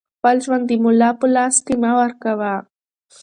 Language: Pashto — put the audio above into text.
خپل ژوند د ملا په لاس کې مه ورکوه